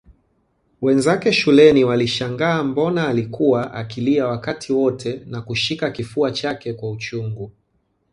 Wenzake shuleni walishangaa mbona alikuwa akilia wakati wote na kushika kifua chake kwa uchungu